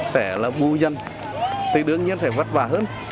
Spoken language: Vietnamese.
sẽ là bù dân thì đương nhiên sẽ vất vả hơn